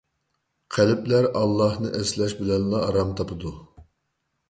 قەلبلەر ئاللاھنى ئەسلەش بىلەنلا ئارام تاپىدۇ.